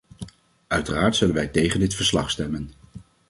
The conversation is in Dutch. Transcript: Uiteraard zullen wij tegen dit verslag stemmen.